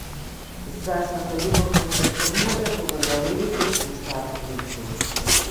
Згасната љубов кон татковината, кога галебите испуштаат крици.